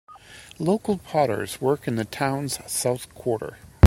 Local potters worked in the town's south quarter.